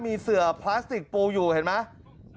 มีเสือพลาสติกปูอยู่เห็นไหม